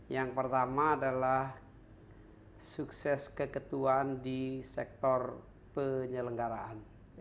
yang pertama adalah sukses keketuaan di sektor penyelenggaraan